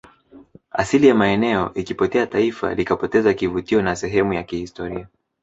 asili ya maeneo ikipotea taifa likapoteza kivutio na sehemu ya kihistoria